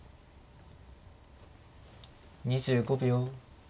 ２５秒。